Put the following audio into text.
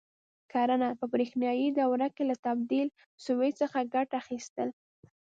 کړنه: په برېښنایي دوره کې له تبدیل سویچ څخه ګټه اخیستل: